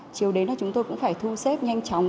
chiều đến là chúng tôi cũng phải thu xếp nhanh chóng